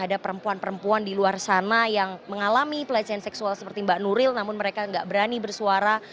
ada perempuan perempuan di luar sana yang mengalami pelecehan seksual seperti mbak nuril namun mereka nggak berani bersuara